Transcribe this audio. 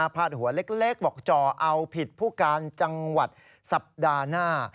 หัวเล็กบอกจ่อเอาผิดผู้การจังหวัดสัปดาห์หน้า